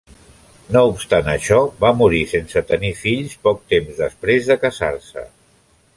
No obstant això, va morir sense tenir fills poc temps després de casar-se.